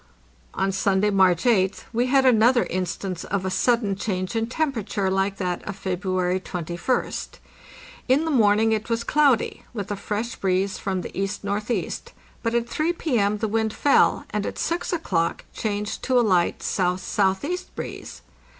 On Sunday, March 8th, we had another instance of a sudden change in temperature like that of February 21st. In the morn ing it was cloudy, with a fresh breeze from the E.N.E., but at 3 P.M. the wind fell, and at 6 o'clock changed to a light S.S.E. breeze.